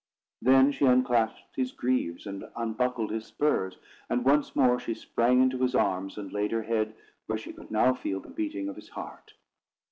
Then she unclasped his greaves, and unbuckled his spurs; and once more she sprang into his arms, and laid her head where she could now feel the beating of his heart.